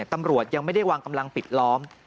ตำรวจยังไม่ได้วางกำลังปิดล้อม